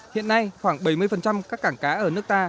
hiện nay khoảng bảy mươi các cảng cá ở nước ta